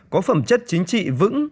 có phẩm chất chính trị vững